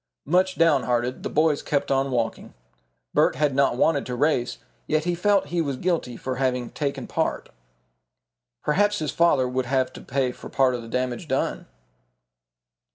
Much downhearted the boys kept on walking. Bert had not wanted to race, yet he felt he was guilty for having taken part. Perhaps his father would have to pay for part of the damage done.